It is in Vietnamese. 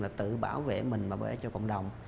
là tự bảo vệ mình và bảo vệ cho cộng đồng